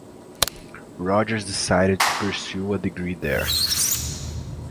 Rogers decided to pursue a degree there.